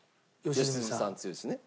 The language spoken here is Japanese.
良純さん強いですね。